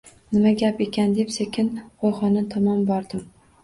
Nima gap ekan, deb sekin qo`yxona tomon bordim